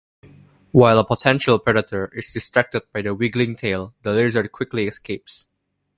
While a potential predator is distracted by the wiggling tail, the lizard quickly escapes.